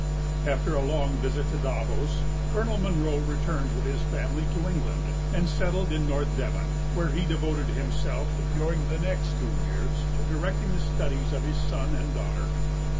After a long visit to Davos, Colonel Munro returned with his family to England and settled in North Devon, where he devoted himself during the next two years to directing the studies of his son and daughter.